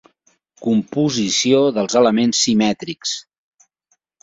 Composició dels elements simètrics.